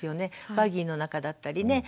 バギーの中だったりね。